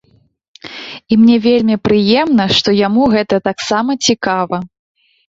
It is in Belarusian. І мне вельмі прыемна, што яму гэта таксама цікава!